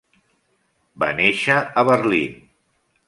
Va néixer a Berlín.